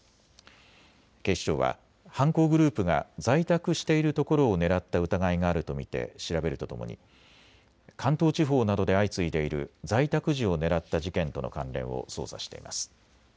警視庁は犯行グループが在宅しているところを狙った疑いがあると見て調べるとともに関東地方などで相次いでいる在宅時を狙った事件との関連を捜査しています。